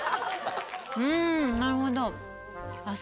うんなるほどあっ